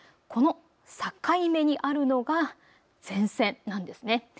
この境目にあるのが前線なんですね。